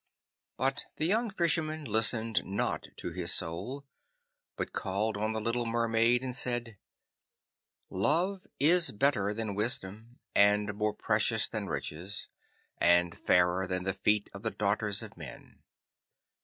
But the young Fisherman listened not to his Soul, but called on the little Mermaid and said, 'Love is better than wisdom, and more precious than riches, and fairer than the feet of the daughters of men.